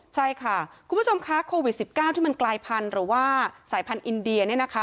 ใช่ค่ะคุณผู้ชมคะโควิด๑๙ที่มันกลายพันธุ์หรือว่าสายพันธุ์อินเดียเนี่ยนะคะ